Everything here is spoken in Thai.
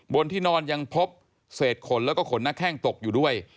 บนที่นอนยังพบเศษขนแล้วก็ขนหน้าแข้งตกอยู่ด้วย